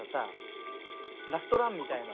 ラストランみたいな。